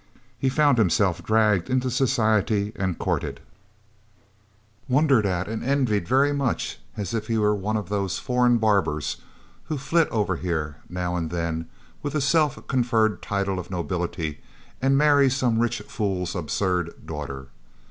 He found himself dragged into society and courted, wondered at and envied very much as if he were one of those foreign barbers who flit over here now and then with a self conferred title of nobility and marry some rich fool's absurd daughter.